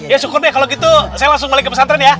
ya syukur deh kalau gitu saya langsung balik ke pesantren ya